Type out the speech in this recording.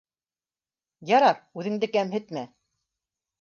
— Ярар, үҙеңде кәмһетмә